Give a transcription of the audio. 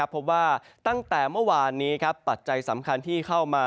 พบว่าตั้งแต่เมื่อวานนี้ปัจจัยสำคัญที่เข้ามา